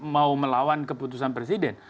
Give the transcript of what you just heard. mau melawan keputusan presiden